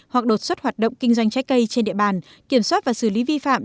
hoặc đột xuất hoạt động kinh doanh trái cây trên địa bàn kiểm soát và xử lý vi phạm